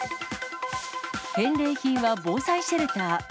返礼品は防災シェルター。